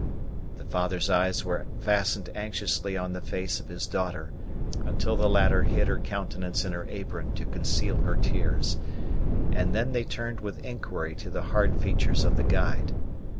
The father's eyes were fastened anxiously on the face of his daughter, until the latter hid her countenance in her apron to conceal her tears; and then they turned with inquiry to the hard features of the guide.